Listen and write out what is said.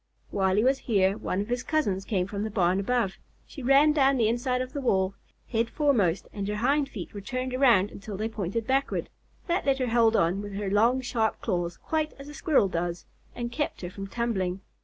While he was here, one of his cousins came from the barn above. She ran down the inside of the wall, head foremost, and her hind feet were turned around until they pointed backward. That let her hold on with her long, sharp claws, quite as a Squirrel does, and kept her from tumbling.